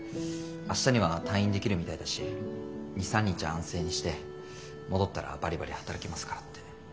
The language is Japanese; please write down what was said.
明日には退院できるみたいだし２３日安静にして戻ったらバリバリ働きますからって。